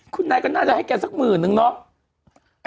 คุณนายก็น่าจะให้แกสักหมื่นนึงเนาะ